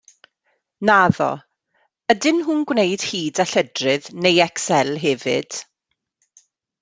Naddo, ydyn nhw'n gwneud hyd a lledrith neu Excel hefyd?